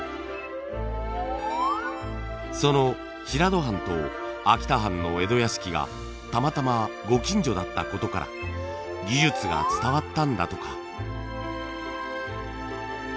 その平戸藩と秋田藩の江戸屋敷がたまたまご近所だったことから技術が伝わったんだとか。